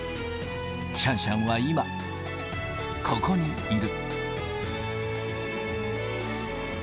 シャンシャンは今、ここにいる。